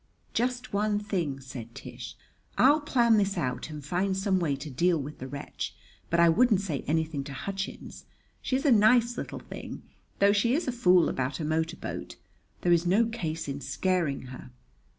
"Just one thing," said Tish. "I'll plan this out and find some way to deal with the wretch; but I wouldn't say anything to Hutchins. She's a nice little thing, though she is a fool about a motor boat. There's no case in scaring her."